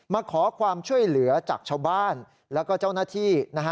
มาขอความช่วยเหลือจากชาวบ้านแล้วก็เจ้าหน้าที่